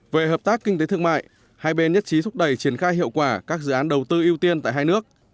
về hợp tác kinh tế thương mại hai bên nhất trí thúc đẩy triển khai hiệu quả các dự án đầu tư ưu tiên tại hai nước